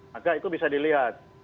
maka itu bisa dilihat